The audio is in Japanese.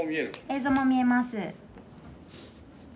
映像も見えます。